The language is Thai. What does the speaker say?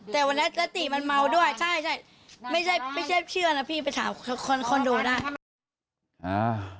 แต่วันแร็ตตีมันเมาด้วยใช่ไม่เชื่อนะพี่ไปถามคอนโดได้